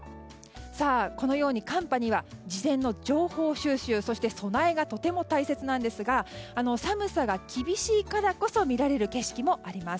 このように寒波には事前の情報収集、そして備えがとても大切なんですが寒さが厳しいからこそ見られる景色もあります。